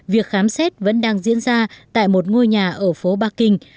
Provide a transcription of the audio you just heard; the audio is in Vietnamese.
việc khám xét vẫn đang diễn ra tại một ngôi nhà ở phố bắc kinh